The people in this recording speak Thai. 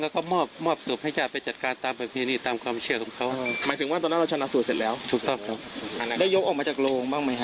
ได้ยกออกมาจากโรงบ้างไหมครับหรือว่ายังไง